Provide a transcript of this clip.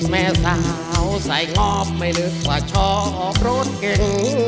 แม่สาวสายงอมไม่นึกว่าชอบรถเก๋ง